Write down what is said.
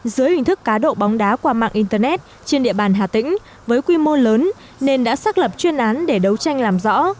dưới hình thức cá độ bóng đá qua mạng internet trên địa bàn hà tĩnh với quy mô lớn nên đã xác lập chuyên án để đấu tranh làm rõ